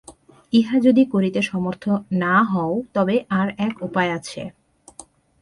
ইহা যদি করিতে সমর্থ না হও, তবে আর এক উপায় আছে।